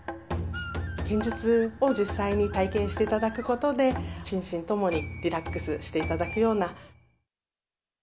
剣術を実際に体験していただくことで、心身ともにリラックスしていただくような。